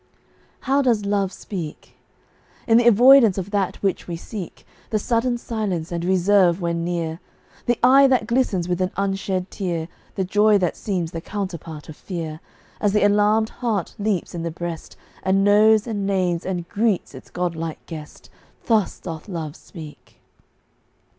How does Love speak? In the avoidance of that which we seek The sudden silence and reserve when near The eye that glistens with an unshed tear The joy that seems the counterpart of fear, As the alarmed heart leaps in the breast, And knows and names and greets its godlike guest Thus doth Love speak.